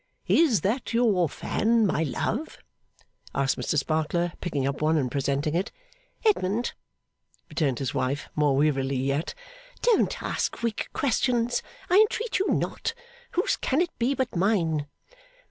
'Is that your fan, my love?' asked Mr Sparkler, picking up one and presenting it. 'Edmund,' returned his wife, more wearily yet, 'don't ask weak questions, I entreat you not. Whose can it be but mine?